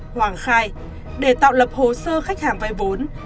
hoàng khai để tạo lập hồ sơ khách hàng vay vốn